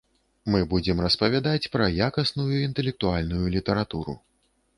Мы будзем распавядаць пра якасную інтэлектуальную літаратуру.